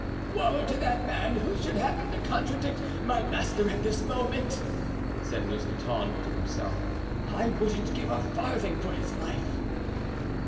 "Woe to that man who should happen to contradict my master at this moment," said Mousqueton to himself; "I wouldn't give a farthing for his life."